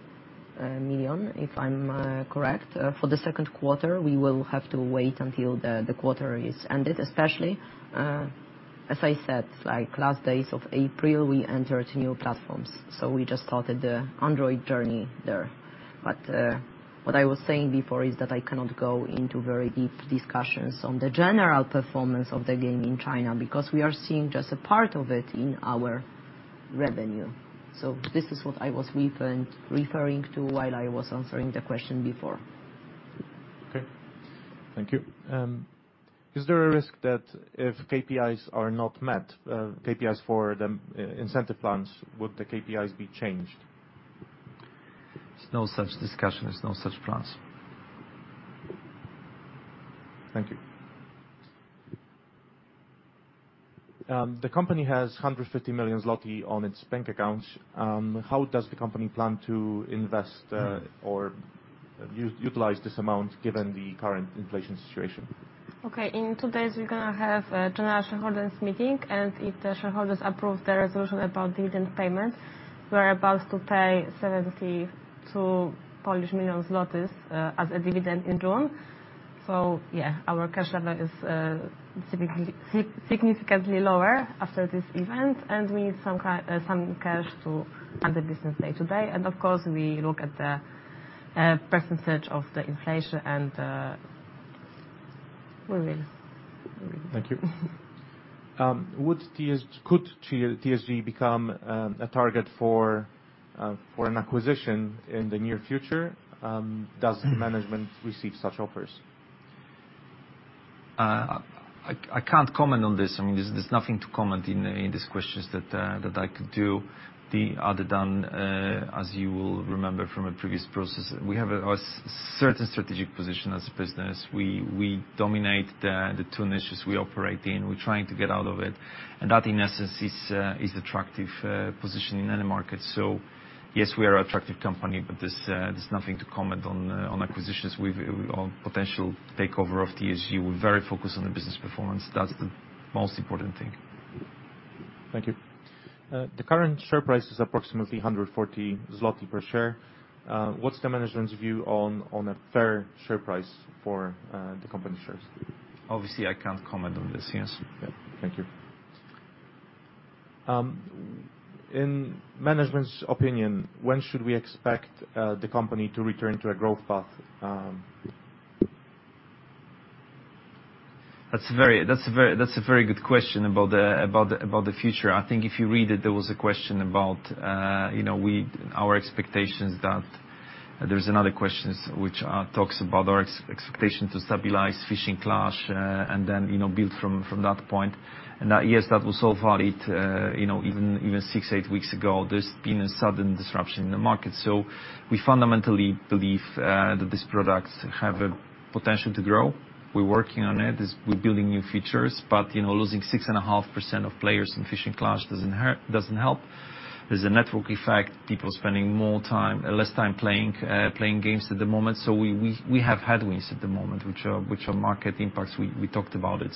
million, if I'm correct. For the second quarter, we will have to wait until the quarter is ended, especially as I said, like last days of April, we entered new platforms. We just started the Android journey there. What I was saying before is that I cannot go into very deep discussions on the general performance of the game in China because we are seeing just a part of it in our revenue. This is what I was referring to while I was answering the question before. Okay. Thank you. Is there a risk that if KPIs are not met for the incentive plans, would the KPIs be changed? There's no such discussion. There's no such plans. Thank you. The company has 150 million zloty on its bank accounts. How does the company plan to invest or use or utilize this amount given the current inflation situation? Okay. In two days, we're gonna have a general shareholders meeting, and if the shareholders approve the resolution about dividend payments, we're about to pay 72 million zlotys as a dividend in June. Yeah, our cash level is significantly lower after this event, and we need some cash to fund the business day-to-day. Of course, we look at the percentage of the inflation and we will. Thank you. Would TSG become a target for an acquisition in the near future? Does management receive such offers? I can't comment on this. I mean, there's nothing to comment on in these questions that I could do other than, as you will remember from a previous process, we have a certain strategic position as a business. We dominate the two niches we operate in. We're trying to get out of it, and that in essence is attractive position in any market. Yes, we are attractive company, but there's nothing to comment on acquisitions or potential takeover of TSG. We're very focused on the business performance. That's the most important thing. Thank you. The current share price is approximately 140 zloty per share. What's the management's view on a fair share price for the company shares? Obviously, I can't comment on this. Yes. Yeah. Thank you. In management's opinion, when should we expect the company to return to a growth path? That's a very good question about the future. I think if you read it, there was a question about our expectations that there's another question which talks about our expectation to stabilize Fishing Clash and then build from that point. That was so far it even six, eight weeks ago. There's been a sudden disruption in the market. We fundamentally believe that these products have a potential to grow. We're working on it. We're building new features, but losing 6.5% of players in Fishing Clash doesn't help. There's a network effect, people spending less time playing games at the moment. We have headwinds at the moment, which are market impacts. We talked about it.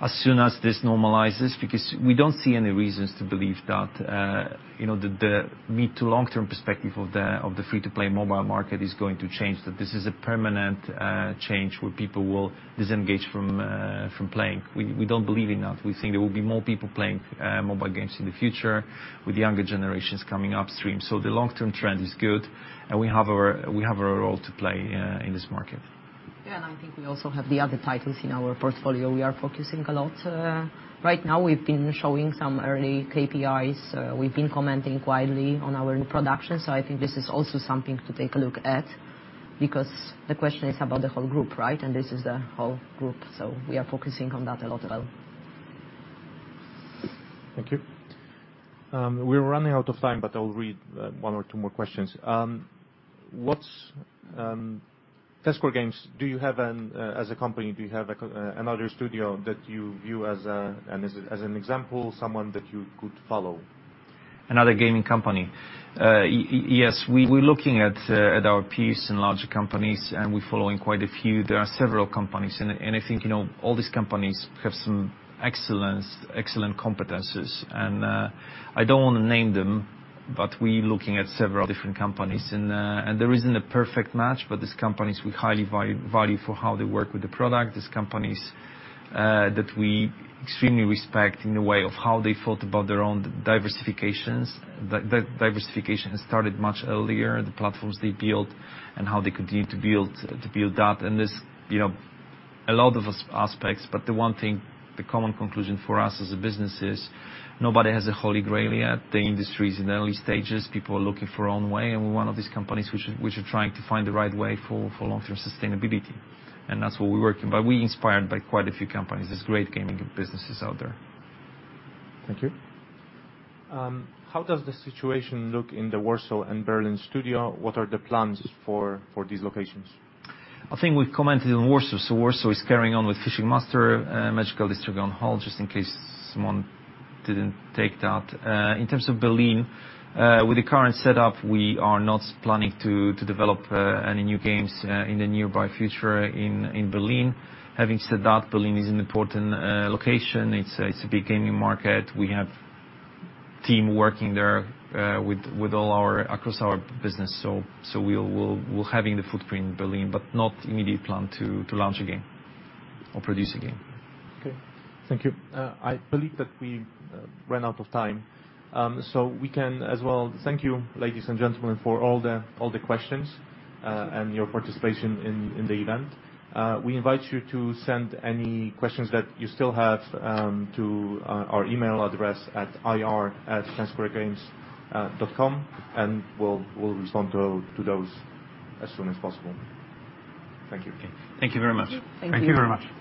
As soon as this normalizes, because we don't see any reasons to believe that, you know, the mid- to long-term perspective of the free-to-play mobile market is going to change, that this is a permanent change where people will disengage from playing. We don't believe in that. We think there will be more people playing mobile games in the future with younger generations coming up. The long-term trend is good, and we have our role to play in this market. Yeah. I think we also have the other titles in our portfolio. We are focusing a lot right now. We've been showing some early KPIs. We've been commenting widely on our new production. I think this is also something to take a look at because the question is about the whole group, right? This is the whole group, so we are focusing on that a lot as well. Thank you. We're running out of time. I'll read one or two more questions. What's Ten Square Games, as a company, do you have another studio that you view as an example, someone that you could follow? Another gaming company? Yes. We're looking at our peers in larger companies, and we're following quite a few. There are several companies. I think, you know, all these companies have some excellent competencies. I don't wanna name them, but we looking at several different companies. There isn't a perfect match, but these companies we highly value for how they work with the product, these companies that we extremely respect in the way of how they thought about their own diversifications. Diversification has started much earlier, the platforms they built and how they continue to build that. There's, you know, a lot of aspects, but the one thing, the common conclusion for us as a business is nobody has a holy grail yet. The industry's in the early stages. People are looking for own way, and we're one of these companies which are trying to find the right way for long-term sustainability. That's what we're working. We inspired by quite a few companies. There's great gaming businesses out there. Thank you. How does the situation look in the Warsaw and Berlin studio? What are the plans for these locations? I think we've commented on Warsaw. Warsaw is carrying on with Fishing Master, Magical District on hold, just in case someone didn't take that. In terms of Berlin, with the current setup, we are not planning to develop any new games in the near future in Berlin. Having said that, Berlin is an important location. It's a big gaming market. We have team working there with all our across our business. We'll have the footprint in Berlin, but no immediate plan to launch a game or produce a game. Okay. Thank you. I believe that we ran out of time. We can as well thank you, ladies and gentlemen, for all the questions and your participation in the event. We invite you to send any questions that you still have to our email address at ir@tensquaregames.com, and we'll respond to those as soon as possible. Thank you. Okay. Thank you very much. Thank you. Thank you very much.